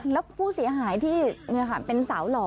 แล้วผู้เสียหายที่เป็นสาวหล่อ